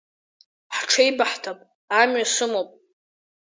Ҳҽеибаҳҭап, амҩа сымоуп!